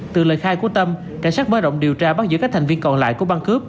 từ lời khai của tâm cảnh sát mở rộng điều tra bắt giữ các thành viên còn lại của băng cướp